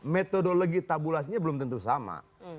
metodologi tabulasinya belum tentu sama